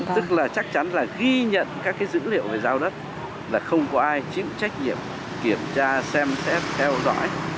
tức là chắc chắn là ghi nhận các dữ liệu về giao đất là không có ai chịu trách nhiệm kiểm tra xem xét theo dõi